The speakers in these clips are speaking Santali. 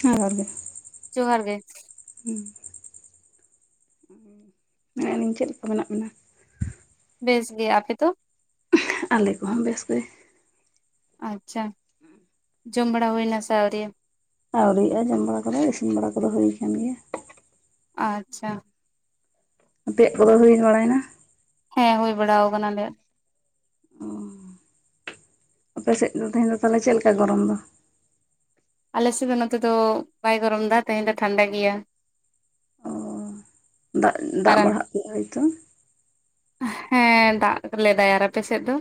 ᱦᱮᱸ ᱡᱚᱦᱟᱨ ᱜᱮ᱾ ᱡᱚᱦᱟᱨ ᱜᱮ᱾ ᱦᱩᱸ, ᱢᱮᱱᱮᱜ ᱟᱹᱞᱤᱧ ᱪᱮᱫ ᱞᱮᱠᱟ ᱢᱮᱱᱟᱜ ᱵᱤᱱᱟ? ᱵᱮᱥ ᱜᱮ᱾ ᱟᱯᱮ ᱫᱚ? ᱟᱞᱮ ᱠᱚᱦᱚᱸ ᱵᱮᱥ ᱛᱮ᱾ ᱟᱪᱪᱷᱟ, ᱡᱚᱢ ᱵᱟᱲᱟ ᱦᱩᱭᱱᱟ ᱥᱮ ᱟᱹᱣᱨᱤᱭᱟ? ᱟᱹᱣᱨᱤᱜᱼᱟ ᱡᱚᱢ ᱵᱟᱲᱟ ᱠᱚᱫᱚ ᱤᱥᱤᱱ ᱵᱟᱲᱟ ᱠᱚᱫᱚ ᱦᱩᱭ ᱟᱠᱟᱱ ᱜᱮᱭᱟ᱾ ᱟᱪᱪᱷᱟ᱾ ᱟᱯᱮᱭᱟᱜ ᱠᱚᱫᱚ ᱦᱩᱭ ᱵᱟᱲᱟᱭᱮᱱᱟ? ᱦᱮᱸ ᱦᱩᱭ ᱵᱟᱲᱟ ᱟᱠᱟᱱᱟ ᱟᱞᱮᱭᱟᱜ ᱾ ᱟᱯᱮᱥᱮᱫ ᱫᱚ ᱛᱮᱦᱮᱧ ᱫᱚ ᱛᱟᱦᱚᱞᱮ ᱪᱮᱫ ᱞᱮᱠᱟ ᱜᱚᱨᱚᱢ ᱫᱚ ᱾ ᱟᱞᱮ ᱥᱮᱫ ᱫᱚ ᱱᱚᱛᱮ ᱫᱚ ᱵᱟᱭ ᱜᱚᱨᱚᱢ ᱮᱫᱟ ᱛᱮᱦᱮᱧ ᱫᱚ ᱴᱷᱟᱱᱰᱟ ᱜᱮᱭᱟ ᱾ ᱚ ᱫᱟᱜ ᱫᱟᱜ ᱟᱨ ᱵᱟᱲᱟ ᱦᱟᱜ ᱯᱮᱭᱟᱭᱛᱚ ᱾ ᱦᱮᱸ ᱫᱟᱜ ᱞᱮᱫᱟᱭ, ᱟᱨ ᱟᱯᱮ ᱥᱮᱫ ᱫᱚ?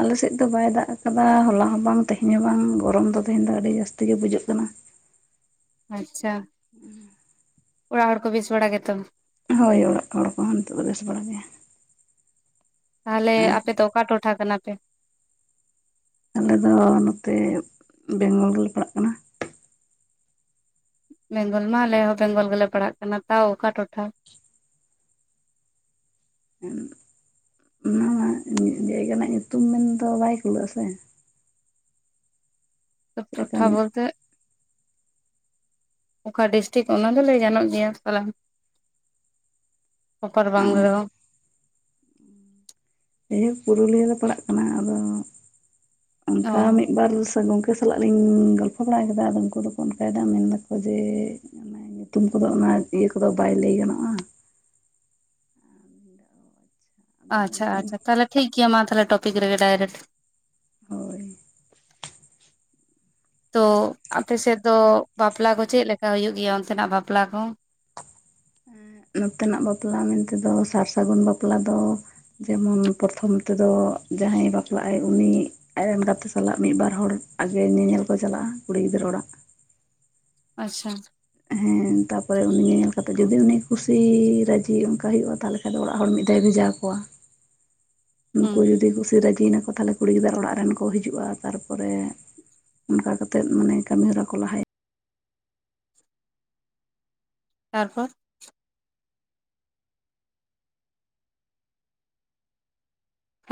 ᱟᱞᱮ ᱥᱮᱫ ᱫᱚ ᱵᱟᱭ ᱫᱟᱜ ᱟᱠᱟᱫᱟ ᱦᱚᱞᱟ ᱦᱚᱸ ᱵᱟᱝ ᱛᱮᱦᱮᱧ ᱦᱚᱸ ᱵᱟᱝ ᱜᱚᱨᱚᱢ ᱫᱚ ᱛᱮᱦᱮᱧ ᱫᱚ ᱟᱹᱰᱤ ᱡᱟᱹᱥᱛᱤ ᱜᱮ ᱵᱩᱡᱟᱹᱜ ᱠᱟᱱᱟ ᱾ ᱟᱪᱪᱷᱟ, ᱚᱲᱟᱜ ᱦᱚᱲ ᱠᱚ ᱵᱮᱥ ᱵᱟᱲᱟ ᱜᱮᱛᱚ? ᱦᱳᱭ ᱚᱲᱟᱜ ᱦᱚᱲ ᱠᱚᱦᱚᱸ ᱱᱤᱛᱚᱜ ᱫᱚ ᱵᱮᱥ ᱵᱟᱲᱟ ᱜᱮ ᱾ ᱛᱟᱦᱚᱞᱮ ᱟᱯᱮ ᱫᱚ ᱚᱠᱟ ᱴᱚᱴᱷᱟ ᱠᱟᱱᱟ ᱯᱮ? ᱟᱞᱮ ᱫᱚ ᱱᱚᱛᱮ ᱵᱮᱝᱜᱚᱞ ᱨᱮᱞᱮ ᱯᱟᱲᱟᱜ ᱠᱟᱱᱟ ᱾ ᱵᱮᱝᱜᱚᱞ ᱢᱟ ᱟᱞᱮ ᱦᱚᱸ ᱵᱮᱝᱜᱚᱞ ᱜᱮᱞᱮ ᱯᱟᱲᱦᱟᱜ ᱠᱟᱱᱟ ᱛᱟᱣ ᱚᱠᱟ ᱴᱚᱴᱷᱟ ᱾ ᱚᱱᱟ ᱢᱟ ᱡᱟᱭᱜᱟ ᱨᱮᱱᱟᱜ ᱧᱩᱛᱩᱢ ᱢᱮᱱᱫᱚ ᱵᱟᱭ ᱠᱩᱞᱟᱹᱜ-ᱟ ᱥᱮ? ᱪᱮᱫ ᱞᱮᱠᱟᱢ ᱴᱚᱴᱷᱟ ᱵᱚᱞᱛᱮ [inaudible] ᱚᱠᱟ ᱰᱤᱥᱴᱤᱠ ᱚᱱᱟ ᱫᱚ ᱞᱟᱹᱭ ᱜᱟᱱᱚᱜ ᱜᱮᱭᱟ ᱯᱟᱞᱮ ᱾ ᱯᱨᱚᱯᱟᱨ ᱵᱟᱝ ᱨᱮᱦᱚᱸ ᱾ ᱮᱦᱳ ᱯᱩᱨᱩᱞᱤᱭᱟᱹ ᱞᱮ ᱯᱟᱲᱟᱜ ᱠᱟᱱᱟ ᱟᱫᱚ ᱚ ᱚᱱᱠᱟ ᱢᱤᱫ ᱵᱟᱨ ᱥᱟᱹᱜᱚ ᱩᱱᱠᱩ ᱥᱟᱞᱟᱜ ᱞᱤᱧ ᱜᱚᱞᱯᱷᱚ ᱵᱟᱲᱟᱣ ᱠᱟᱫᱟ ᱟᱫᱚ ᱩᱱᱠᱩ ᱫᱚᱠᱚ ᱚᱱᱠᱟᱭᱮᱫᱟ ᱢᱮᱱ ᱫᱟᱠᱚ ᱡᱮ ᱧᱩᱛᱩᱢ ᱠᱚᱫᱚ ᱚᱱᱟ ᱤᱭᱟᱹ ᱠᱚᱫᱚ ᱵᱟᱭ ᱞᱟᱹᱭ ᱜᱟᱱᱚᱜᱼᱟ ᱾ ᱟᱪᱪᱷᱟ ᱟᱪᱪᱷᱟ ᱛᱟᱦᱚᱞᱮ ᱴᱷᱤᱠ ᱜᱮᱭᱟ ᱢᱟ ᱛᱟᱦᱞᱮ ᱴᱚᱯᱤᱠ ᱨᱮᱜᱮ ᱰᱟᱭᱨᱮᱴ ᱾ ᱦᱳᱭ ᱾ ᱛᱚ ᱟᱯᱮ ᱥᱮᱫ ᱫᱚ ᱵᱟᱯᱞᱟ ᱠᱚ ᱪᱮᱫ ᱞᱮᱠᱟ ᱦᱩᱭᱩᱜ ᱜᱮᱭᱟ ᱚᱱᱛᱮᱱᱟᱜ ᱵᱟᱯᱞᱟ ᱠᱚ? ᱱᱚᱛᱮ ᱱᱟᱜ ᱵᱟᱯᱞᱟ ᱢᱮᱱ ᱛᱮᱫᱚ ᱥᱟᱨ ᱥᱟᱹᱜᱩᱱ ᱵᱟᱯᱞᱟ ᱫᱚ ᱡᱮᱢᱚᱱ ᱯᱨᱚᱛᱷᱚᱢ ᱛᱮᱫᱚ ᱡᱟᱦᱟᱸᱭ ᱵᱟᱯᱞᱟᱜ ᱟᱭ ᱩᱱᱤ ᱟᱡ ᱨᱮᱱ ᱜᱟᱛᱮ ᱥᱟᱞᱟᱜ ᱢᱤᱫ ᱵᱟᱨ ᱦᱚᱲ ᱟᱜᱮ ᱧᱮᱧᱮᱞ ᱠᱚ ᱪᱟᱞᱟᱜᱼᱟ ᱠᱩᱲᱤ ᱜᱤᱫᱽᱨᱟᱹ ᱚᱲᱟᱜ ᱾ ᱟᱪᱪᱷᱟ ᱾ ᱦᱮᱸ ᱛᱟᱯᱚᱨᱮ ᱩᱱᱤ ᱧᱮ-ᱧᱮᱞ ᱠᱟᱛᱮ ᱡᱩᱫᱤ ᱩᱱᱤ ᱠᱩᱥᱤ ᱨᱟᱹᱡᱤ ᱚᱱᱠᱟ ᱦᱩᱭᱩᱜᱼᱟ ᱛᱟᱦᱚᱞᱮ ᱠᱷᱟᱡ ᱫᱚ ᱚᱲᱟᱜ ᱦᱚᱲ ᱢᱤᱫ ᱫᱷᱟᱣ ᱵᱷᱮᱡᱟ ᱠᱚᱣᱟ, ᱦᱩᱸ ᱩᱱᱠᱩ ᱡᱩᱫᱤ ᱠᱩᱥᱤ ᱨᱟᱹᱡᱤᱭᱱᱟᱠᱚ ᱛᱟᱦᱚᱞᱮ ᱠᱩᱲᱤ ᱜᱤᱫᱽᱟᱹᱨ ᱚᱲᱟᱜ ᱨᱮᱱ ᱠᱚ ᱦᱤᱡᱩᱜᱼᱟ, ᱛᱟᱨᱯᱚᱨᱮ ᱚᱱᱠᱟ ᱠᱟᱛᱮᱫ ᱢᱟᱱᱮ ᱠᱟᱹᱢᱤ ᱦᱚᱨᱟ ᱠᱚ ᱞᱟᱦᱟᱭᱟ ᱾ ᱛᱟᱨᱯᱚᱨ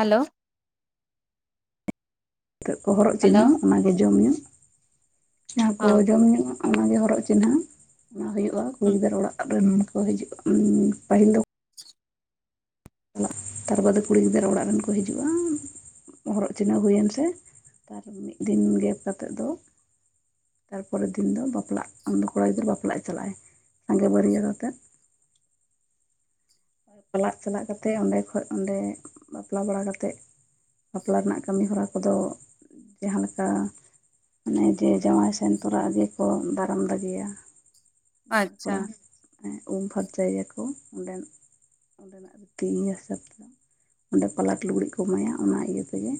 ᱦᱮᱞᱳ ᱾ ᱱᱤᱛᱚᱜ ᱠᱚ ᱦᱚᱨᱚᱜ ᱦᱮᱞᱳ ᱪᱤᱱᱦᱟᱹᱣ ᱚᱱᱟ ᱜᱮ ᱡᱚᱢ ᱧᱩ ᱡᱟᱦᱟᱸ ᱠᱚ ᱦᱚᱸ ᱡᱚᱢ ᱧᱩᱜ-ᱟ ᱚᱱᱟᱱᱜᱮ ᱦᱚᱨᱚᱜ ᱪᱤᱱᱦᱟᱹ ᱚᱱᱟ ᱦᱩᱭᱩᱜᱼᱟ ᱠᱩᱲᱤ ᱦᱩᱸ ᱜᱤᱫᱟᱹᱨ ᱚᱲᱟᱜ ᱨᱮᱱ ᱦᱚᱲ ᱠᱚ ᱦᱤᱡᱩᱜᱼᱟ ᱯᱟᱹᱦᱤᱞ ᱫᱚ ᱾ ᱪᱟᱞᱟᱜ ᱛᱟᱨ ᱵᱟᱫᱮ ᱠᱩᱲᱤ ᱜᱤᱫᱽᱨᱟᱹ ᱚᱲᱟᱜ ᱨᱮᱱ ᱠᱚ ᱦᱤᱡᱩᱜᱼᱟ ᱾ ᱦᱚᱨᱚᱜ ᱪᱤᱱᱦᱟᱹᱣ ᱦᱩᱭᱮᱱ ᱥᱮ, ᱛᱟᱨ ᱢᱤᱫ ᱫᱤᱱ ᱜᱮᱯ ᱠᱟᱛᱮᱫ ᱫᱚ ᱛᱟᱨᱯᱚᱨᱮᱨ ᱫᱤᱱ ᱫᱚ ᱵᱟᱯᱞᱟᱜ ᱟᱢᱫᱚ ᱠᱚᱲᱟ ᱜᱤᱫᱽᱨᱟᱹ ᱵᱟᱯᱞᱟᱜ ᱮ ᱪᱟᱞᱟᱜᱼᱟᱭ ᱥᱟᱸᱜᱮ ᱵᱟᱹᱨᱭᱟᱹᱛ ᱟᱛᱮᱫ ᱾ ᱪᱟᱞᱟᱜ ᱪᱟᱞᱟᱜ ᱠᱟᱛᱮ ᱚᱸᱰᱮ ᱠᱷᱥᱡ ᱚᱸᱰᱮ ᱵᱟᱯᱞᱟ ᱵᱟᱲᱟ ᱠᱟᱛᱮᱫ ᱵᱟᱯᱞᱟ ᱨᱮᱱᱟᱜ ᱠᱟᱹᱢᱤ ᱦᱚᱨᱟ ᱠᱚᱫᱚ ᱡᱟᱦᱟᱸ ᱞᱮᱠᱟ ᱚᱱᱮ ᱡᱮ ᱡᱟᱶᱟᱭ ᱥᱮᱱ ᱛᱚᱨᱟᱜ ᱜᱮ ᱠᱚ ᱫᱟᱨᱟᱢ ᱫᱟᱜᱮᱭᱟ ᱾ ᱡᱟᱶᱟᱭ ᱟᱪᱪᱷᱟ ᱠᱚᱲᱟ ᱮᱸ ᱩᱢ ᱯᱷᱟᱨᱪᱟᱭᱮᱭᱟ ᱠᱚ ᱚᱸᱰᱮᱱ ᱚᱸᱰᱮᱱᱟᱜ ᱨᱤᱛᱤ ᱤᱭᱟᱹ ᱦᱤᱥᱟᱹᱵ ᱛᱮ ᱾ ᱚᱸᱰᱮ ᱯᱟᱞᱟᱠ ᱞᱩᱜᱽᱲᱤᱡ ᱠᱚ ᱮᱢᱟᱭᱟ ᱚᱱᱟ ᱤᱭᱟᱹ ᱛᱮᱜᱮ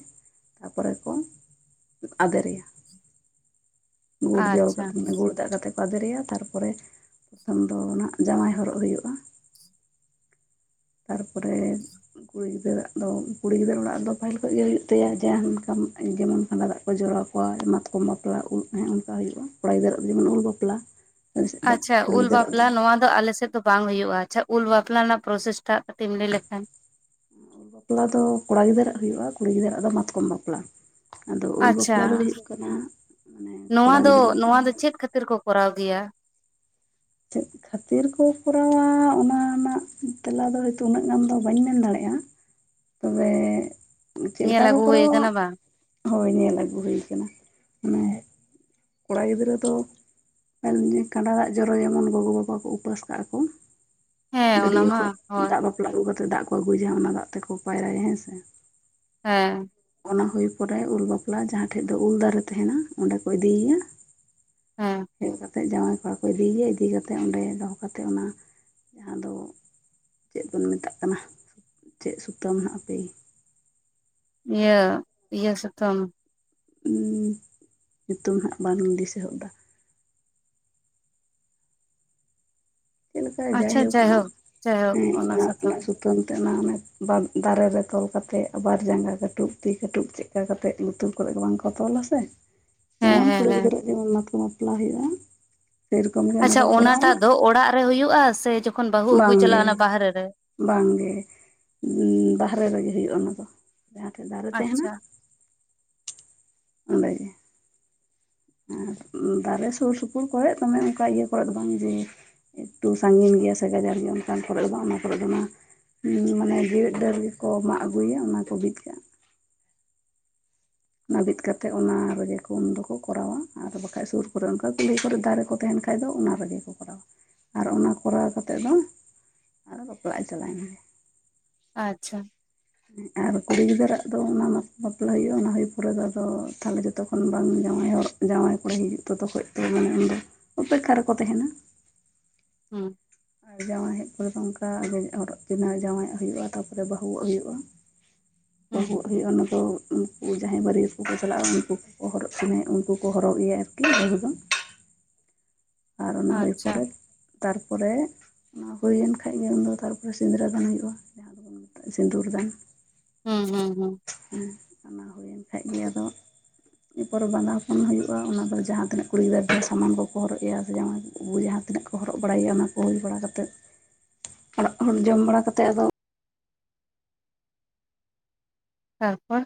ᱛᱟᱨᱯᱚᱨᱮ ᱠᱚ ᱟᱫᱮᱨᱮᱭᱟ ᱾ ᱜᱩᱲ ᱡᱚᱣ ᱟᱪᱪᱷᱟ ᱠᱟᱛᱮ ᱜᱩᱲ ᱫᱟᱜ ᱠᱟᱛᱮᱜ ᱟᱫᱮᱨᱮᱭᱟ ᱛᱟᱨᱯᱚᱨᱮ ᱯᱚᱛᱷᱚᱢ ᱫᱚ ᱱᱟᱦᱟᱜ ᱡᱟᱶᱟᱭ ᱦᱚᱨᱚᱜ ᱦᱩᱭᱩᱜᱼᱟ ᱛᱟᱨᱯᱚᱨᱮ ᱠᱩᱲᱤ ᱜᱤᱫᱽᱨᱟᱹᱜ ᱫᱚ ᱠᱩᱲᱤ ᱜᱤᱫᱽᱨᱟᱹ ᱚᱲᱟᱜ ᱨᱮᱫᱚ ᱯᱟᱹᱦᱤᱞ ᱠᱷᱚᱡ ᱜᱮ ᱦᱩᱭᱩᱜ ᱛᱟᱭᱟ ᱡᱟᱦᱟᱸᱠᱟᱢ ᱡᱮᱢᱚᱱ ᱠᱷᱟᱸᱰᱟ ᱫᱟᱜ ᱠᱚ ᱡᱚᱨᱚ ᱣᱟ ᱢᱟᱛᱠᱚᱢ ᱵᱟᱯᱞᱟ [inaudible] ᱚᱱᱠᱟ ᱦᱩᱭᱩᱜᱼᱟ ᱠᱚᱲᱟ ᱜᱤᱫᱽᱨᱟᱹ ᱫᱚ ᱡᱮᱢᱚᱱ ᱩᱞ ᱵᱟᱯᱞᱟ ᱟᱞᱮ ᱥᱮᱫ ᱫᱚ ᱟᱪᱪᱷᱟ ᱠᱩᱲᱤ ᱩᱞ ᱜᱤᱫᱽᱨᱟᱹᱣᱟᱜ ᱵᱟᱯᱞᱟ ᱱᱚᱣᱟ ᱫᱚ ᱟᱞᱮᱥᱮᱜ ᱫᱚ ᱵᱟᱝ ᱦᱩᱭᱩᱜᱼᱟ ᱟᱪᱪᱷᱟ ᱩᱞ ᱵᱟᱯᱞᱟ ᱨᱮᱱᱟᱜ ᱯᱨᱚᱥᱮᱥᱴᱟᱜ ᱠᱟᱹᱴᱤᱢ ᱮᱢ ᱞᱟᱹᱭ ᱞᱮᱠᱷᱟᱱ ᱵᱟᱯᱞᱟ ᱫᱚ ᱠᱚᱲᱟ ᱜᱤᱫᱽᱨᱟᱹ ᱟᱜ ᱦᱩᱭᱩᱜᱼᱟ ᱠᱩᱲᱤ ᱜᱤᱫᱽᱨᱟᱹ ᱟᱜ ᱫᱚ ᱢᱟᱛᱠᱚᱢ ᱵᱟᱯᱞᱟ᱾ ᱟᱫᱚ ᱩᱞ ᱟᱪᱪᱷᱟ ᱵᱟᱯᱞᱟ ᱫᱚ ᱦᱩᱭᱩᱜ ᱠᱟᱱᱟ ᱢᱟᱱᱮ ᱱᱚᱣᱟ ᱠᱚᱲᱟ ᱜᱤᱫᱽᱨᱟᱹ ᱫᱚ ᱱᱚᱣᱟ ᱪᱮᱫ ᱠᱷᱟᱹᱛᱤᱨ ᱠᱚ ᱠᱚᱨᱟᱣ ᱜᱮᱭᱟ᱾ ᱪᱮᱫ ᱠᱷᱟᱹᱛᱤᱨ ᱠᱚ ᱠᱚᱨᱟᱣᱟ ᱚᱱᱟ ᱨᱮᱱᱟᱜ ᱛᱮᱞᱟ ᱫᱚ ᱦᱚᱭᱛᱚ ᱩᱱᱟᱹᱜ ᱜᱟᱱ ᱫᱚ ᱵᱟᱹᱧ ᱢᱮᱱ ᱫᱟᱲᱮᱜᱼᱟ᱾ ᱛᱚᱵᱮ ᱪᱮᱜ ᱞᱮᱠᱟ ᱧᱮᱞ ᱠᱚ ᱟᱹᱜᱩ ᱦᱩᱭ ᱠᱚᱨᱟᱣᱟ ᱟᱠᱟᱱᱟ ᱦᱟᱜ? ᱵᱟᱝ ᱦᱳᱭ ᱧᱮᱞ ᱟᱹᱜᱩ ᱦᱩᱭ ᱠᱟᱱᱟ ᱢᱟᱱᱮ ᱠᱚᱲᱟ ᱜᱤᱫᱽᱨᱟᱹ ᱫᱚ [inaudible] ᱠᱟᱸᱰᱟ ᱫᱟᱜ ᱡᱚ ᱚᱭ ᱡᱮᱚᱱ ᱜᱚᱜᱚ ᱵᱟᱵᱟ ᱠᱚ ᱩᱯᱟᱹᱥ ᱠᱟᱜᱼᱟ ᱠᱚ ᱦᱮᱸ ᱚᱱᱟ ᱜᱟᱹᱰᱭᱟᱹ ᱢᱟ ᱠᱷᱚᱡ ᱦᱳᱭ ᱫᱟᱜ ᱵᱟ ᱲᱟᱜ ᱟᱹᱜᱩ ᱠᱟᱛᱮᱜ ᱫᱟᱜ ᱠᱚ ᱟᱹᱜᱩᱡᱟ ᱚᱱᱟ ᱫᱟᱜ ᱛᱮᱠᱚ ᱯᱟᱭᱨᱟᱭᱟ ᱦᱮᱸ ᱥᱮ᱾ ᱦᱮᱸ ᱚᱱᱟ ᱦᱩᱭ ᱯᱚᱨᱮ ᱩᱞ ᱵᱟᱯᱞᱟ ᱡᱟᱦᱟᱸᱴᱷᱮᱡ ᱫᱚ ᱩᱞ ᱫᱟᱨᱮ ᱛᱟᱦᱮᱱᱟ ᱚᱸᱰᱮ ᱠᱚ ᱤᱫᱤᱭᱭᱟ ᱦᱮᱸ ᱦᱳᱭᱳᱜ ᱠᱟᱛᱮᱜ ᱡᱟᱶᱟᱭ ᱠᱚᱣᱟ ᱠᱚ ᱤᱫᱤᱭᱭᱟ ᱤᱫᱤ ᱠᱟᱛᱮᱜ ᱚᱸᱰᱮ ᱫᱚᱦᱚ ᱠᱟᱛᱮᱜ ᱚᱱᱟ ᱡᱟᱦᱟᱸ ᱫᱚ ᱪᱮᱫ ᱵᱚᱱ ᱢᱮᱛᱟᱜ ᱠᱟᱱᱟ? ᱪᱮᱫ ᱥᱩᱛᱟᱹᱢ ᱦᱟᱜ ᱦᱟᱯᱮ ᱤᱭᱟᱹ ᱤᱭᱟᱹ ᱥᱩᱛᱟᱹᱢ ᱩᱸ ᱧᱩᱛᱩᱢ ᱦᱟᱸᱜ ᱵᱟᱝᱞᱤᱧ ᱫᱤᱥᱟᱹ ᱦᱚᱫᱼᱫᱟ᱾ ᱪᱮᱜ ᱞᱮᱠᱟ ᱟᱪᱪᱷᱟ ᱡᱟᱭᱦᱳᱠ ᱚᱱᱟ ᱡᱟᱭᱦᱳᱠ ᱦᱮᱸ ᱚᱱᱟ ᱥᱟᱛᱟᱢ ᱚᱱᱟ ᱥᱩ ᱛᱟᱹᱢ ᱛᱮ ᱚᱱᱟ ᱚᱱᱮ ᱵᱟ ᱫᱟᱨᱮ ᱨᱮ ᱛᱚᱞ ᱠᱟᱛᱮᱜ ᱟᱵᱟᱨ ᱡᱟᱸᱜᱟ ᱠᱟᱹᱴᱩᱵ ᱛᱤ ᱠᱟᱹᱴᱩᱵ ᱪᱮᱜ ᱠᱟ ᱠᱟᱛᱮᱜ ᱞᱩᱛᱩᱨ ᱠᱚᱨᱮᱜ ᱜᱮ ᱵᱟᱝᱠᱚ ᱛᱚᱞᱟ ᱥᱮ ᱦᱮᱸ ᱡᱮᱢᱚᱱ ᱦᱮᱸ ᱠᱩᱲᱤ ᱦᱮᱸ ᱜᱤᱫᱽᱨᱟᱹᱣᱟᱜ ᱡᱮᱢᱚᱱ ᱢᱟᱛᱠᱚᱢ ᱵᱟᱯᱞᱟ ᱦᱩᱭᱩᱜᱼᱟ ᱥᱮᱨᱚᱠᱚᱢ ᱜᱮ ᱚᱱᱟ ᱟᱪᱪᱷᱟ ᱠᱚ ᱠᱚᱨᱟᱣᱟ ᱚᱱᱟᱴᱟᱜ ᱫᱚ ᱚᱲᱟᱜ ᱨᱮ ᱦᱩᱭᱩᱜᱼᱟ ᱥᱮ ᱡᱚᱠᱷᱚᱱ ᱵᱟᱹᱦᱩ ᱟᱹᱜᱩ ᱪᱟᱞᱟᱜ ᱵᱟᱝᱜᱮ ᱚᱱᱟ ᱵᱟᱦᱨᱮ ᱨᱮ? ᱵᱟᱝᱜᱮ ᱩᱸ ᱵᱟᱦᱨᱮ ᱨᱮᱜᱮ ᱦᱩᱭᱩᱜᱼᱟ ᱚᱱᱟ ᱫᱚ, ᱡᱟᱦᱟᱸᱴᱷᱮᱜ ᱫᱟᱨᱮ ᱛᱟᱦᱮᱱᱟ ᱟᱪᱪᱷᱟ ᱚᱸᱰᱮ ᱜᱮ᱾ ᱟᱨ ᱫᱟᱨᱮ ᱥᱩᱨ ᱥᱩᱯᱩᱨ ᱠᱚᱨᱮᱡ ᱫᱚᱢᱮ ᱚᱝᱠᱟ ᱤᱭᱟᱹ ᱠᱚᱨᱮᱫ ᱫᱚ ᱵᱟᱝ ᱡᱮ ᱮᱠᱴᱩ ᱥᱟᱺᱜᱤᱧ ᱜᱮᱭᱟ ᱥᱮ ᱜᱟᱡᱟᱲ ᱜᱮᱭᱟ ᱚᱝᱠᱟᱱ ᱠᱚᱨᱮᱡ ᱫᱚ ᱵᱟᱝ ᱚᱱᱟ ᱠᱚᱨᱮ ᱫᱚ ᱢᱟ ᱦᱩᱸ ᱢᱟᱱᱮ ᱡᱮᱣᱮᱫ ᱰᱟᱹᱨ ᱜᱮᱠᱚ ᱢᱟᱜ ᱟᱹᱜᱩᱭᱟ ᱚᱱᱟ ᱠᱚ ᱵᱤᱫ ᱠᱟᱜᱼᱟ᱾ ᱚᱱᱟ ᱵᱤᱫ ᱠᱟᱛᱮᱫ ᱚᱱᱟ ᱨᱮᱜᱮ ᱠᱚ ᱩᱱ ᱫᱚᱠᱚ ᱠᱚᱨᱟᱣᱟ ᱟᱨ ᱵᱟᱠᱷᱟᱡ ᱥᱩᱨ ᱠᱚᱨᱮ ᱚᱝᱠᱟ ᱠᱩᱞᱦᱤ ᱠᱚᱨᱮ ᱫᱟᱨᱮ ᱠᱚ ᱛᱟᱦᱮᱱ ᱠᱷᱟᱡ ᱫᱚ ᱚᱱᱟ ᱨᱮᱜᱮ ᱠᱚ ᱠᱚᱨᱟᱣᱟ, ᱟᱨ ᱚᱱᱟ ᱠᱚᱨᱟᱣ ᱠᱟᱛᱮ ᱫᱚ ᱟᱨᱚ ᱵᱟᱯᱞᱟᱜ ᱪᱟᱞᱟᱭᱱᱟ᱾ ᱟᱪᱪᱷᱟ ᱟᱨ ᱠᱩᱲᱤ ᱜᱤᱫᱽᱟᱹᱨ ᱟᱜ ᱫᱚ ᱚᱱᱟ ᱢᱟ ᱵᱟᱯᱞᱟ ᱦᱩᱭᱩᱜᱼᱟ ᱚᱱᱟ ᱦᱩᱭ ᱯᱚᱨᱮ ᱫᱚ ᱟᱫᱚ ᱛᱟᱦᱚᱞᱮ ᱡᱚᱛᱚ ᱠᱷᱚᱱ ᱵᱟᱝ ᱡᱟᱶᱟᱭ ᱦᱚᱨᱚᱜ ᱡᱟᱶᱟᱭ ᱠᱚᱲᱟ ᱦᱤᱡᱩᱜ ᱛᱚᱛᱚᱠᱷᱚᱡ ᱛᱚ ᱢᱟᱱᱮ ᱩᱱ ᱫᱚ ᱚᱯᱮᱠᱠᱷᱟ ᱨᱮᱠᱚ ᱛᱟᱦᱮᱱᱟ᱾ ᱦᱩᱸ ᱟᱨ ᱡᱟᱶᱟᱭ ᱦᱮᱡ ᱯᱚᱨᱮ ᱫᱚ ᱚᱝᱠᱟ ᱦᱚᱨᱚᱜ ᱪᱤᱱᱣᱟᱹ ᱡᱟᱶᱟᱭ ᱦᱩᱭᱩᱜᱼᱟ, ᱛᱟᱯᱚᱨᱮ ᱵᱟᱹᱦᱩᱣᱟᱜ ᱦᱩᱭᱩᱜᱼᱟ᱾ ᱦᱩᱸ ᱵᱟᱹᱦᱩᱣᱟᱜ ᱦᱩᱭᱩᱜᱼᱟ ᱚᱱᱟ ᱫᱚ ᱩ ᱡᱟᱦᱟᱸᱭ ᱵᱟᱹᱨᱭᱟᱹᱛ ᱠᱚ ᱠᱚ ᱪᱟᱞᱟᱜᱼᱟ ᱩᱝᱠᱩ ᱠᱚᱠᱚ ᱦᱚᱨᱚᱜ ᱠᱤᱱᱟᱹᱭ ᱩᱝᱠᱩ ᱠᱚ ᱦᱚᱨᱚᱜ ᱮᱭᱟ ᱟᱨᱠᱤ ᱵᱟᱹᱦᱩ ᱫᱚ᱾ ᱟᱨ ᱚᱱᱟ ᱦᱩᱭ ᱟᱪᱪᱷᱟ ᱯᱚᱨᱮ ᱛᱟᱨᱯᱚᱨᱮ ᱚᱱᱟ ᱦᱩᱭᱮᱱ ᱠᱷᱟᱡ ᱜᱮ ᱩᱱᱫᱚ ᱛᱟᱨᱯᱚᱨᱮ ᱥᱤᱸᱫᱽᱨᱟᱹ ᱫᱟᱱ ᱦᱩᱭᱩᱜ-ᱟ, ᱡᱟᱦᱟᱸ ᱫᱚ ᱵᱚᱱ ᱢᱮᱛᱟᱜ ᱥᱤᱸᱫᱩᱨ ᱫᱟᱱ ᱾ ᱦᱩᱸ ᱦᱩᱸ ᱦᱩᱸ ᱾ ᱦᱩᱸ ᱚᱱᱟ ᱦᱩᱭᱮᱱ ᱠᱷᱟᱡ ᱜᱮ ᱟᱫᱚ ᱤᱱᱟᱹ ᱯᱚᱨᱮ ᱵᱟᱸᱫᱟᱯᱚᱱ ᱦᱩᱭᱩᱜᱼᱟ ᱚᱱᱟ ᱫᱚ ᱡᱟᱦᱟᱸ ᱛᱤᱱᱟᱹᱜ ᱠᱩᱲᱤ ᱜᱤᱫᱨᱟᱹ ᱥᱟᱢᱟᱱ ᱠᱚᱠᱚ ᱦᱚᱨᱚᱜ ᱮᱭᱟ ᱡᱟᱶᱟᱭᱚ ᱡᱟᱦᱟᱸ ᱛᱤᱱᱟᱹᱜ ᱠᱚ ᱦᱚᱨᱚᱜ ᱵᱟᱲᱟᱭᱮᱭᱟ ᱚᱱᱟ ᱠᱚ ᱦᱩᱭ ᱵᱟᱲᱟ ᱠᱟᱛᱮᱫ ᱚᱲᱟᱜ ᱦᱚᱲ ᱡᱚᱢ ᱵᱟᱲᱟ ᱠᱟᱛᱮᱫ ᱟᱫᱚ ᱛᱟᱨᱯᱚᱨ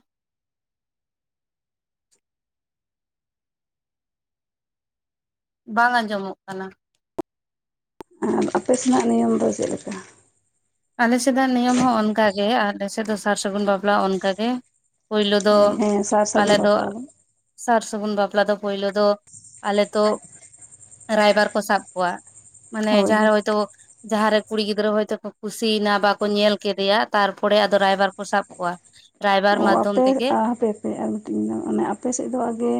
ᱵᱟᱝ ᱟᱸᱡᱚᱢᱚᱜ ᱠᱟᱱᱟ ᱾ ᱟᱫᱚ ᱟᱯᱮ ᱥᱮᱱᱟᱜ ᱱᱤᱭᱚᱢ ᱫᱚ ᱪᱮᱫ ᱞᱮᱠᱟ? ᱟᱞᱮ ᱥᱮᱫᱟᱜ ᱱᱤᱭᱚᱢ ᱦᱚᱸ ᱚᱱᱠᱟ ᱜᱮ ᱟᱞᱮ ᱥᱮᱫ ᱫᱚ ᱥᱟᱨ ᱥᱟᱹᱜᱩᱱ ᱵᱟᱯᱞᱼᱟ ᱚᱱᱠᱟ ᱜᱮ ᱾ ᱯᱳᱭᱞᱳ ᱦᱳᱭ ᱫᱚ ᱦᱮᱸ ᱥᱟᱨ ᱥᱟᱹᱜᱩᱱ ᱟᱞᱮ ᱫᱚ ᱵᱟᱯᱞᱟ ᱥᱟᱨ ᱥᱟᱹᱜᱩᱱ ᱵᱟᱯᱞᱟ ᱫᱚ ᱯᱳᱭᱞᱳ ᱫᱚ ᱟᱞᱮ ᱛᱚ ᱨᱟᱭᱵᱟᱨ ᱠᱚ ᱥᱟᱵ ᱠᱚᱣᱟ ᱾ ᱢᱟᱱᱮ ᱦᱳᱭ ᱡᱟᱦᱟᱸ ᱨᱮ ᱦᱮᱸ ᱦᱚᱳᱭᱛᱳ ᱡᱟᱦᱟᱸᱨᱮ ᱠᱩᱲᱤ ᱜᱤᱫᱽᱨᱟᱹ ᱦᱚᱭᱛᱳ ᱠᱩᱥᱤᱭᱮᱱᱟ ᱵᱟᱠᱚ ᱧᱮᱞ ᱠᱮᱫᱮᱭᱟ ᱛᱟᱨᱯᱚᱨᱮ ᱟᱫᱚ ᱨᱟᱭᱵᱟᱨ ᱠᱚ ᱥᱟᱵ ᱠᱚᱣᱟ ᱾ ᱚ ᱟᱯᱮ ᱦᱟᱯᱮ ᱦᱟᱯᱮ ᱟᱨ ᱢᱴᱤᱝ ᱫᱚ ᱢᱟᱱᱮ ᱟᱯᱮ ᱥᱮᱫ ᱫᱚ ᱟᱜᱮ